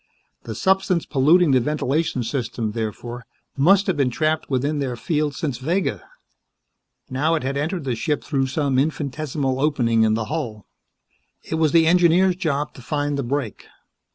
The substance polluting the ventilation system, therefore, must have been trapped within their field since Vega. Now it had entered the ship through some infinitesimal opening in the hull. It was the engineer's job to find that break.